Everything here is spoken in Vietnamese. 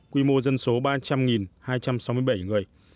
quy mô dân số ba trăm linh hai trăm sáu mươi bảy người